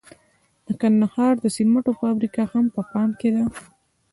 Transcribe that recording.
د کندهار د سمنټو فابریکه هم په پام کې ده.